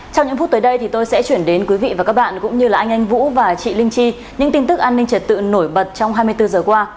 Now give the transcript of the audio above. trong những phút tới đây thì tôi sẽ chuyển đến quý vị và các bạn cũng như là anh anh vũ và chị linh chi những tin tức an ninh trật tự nổi bật trong hai mươi bốn giờ qua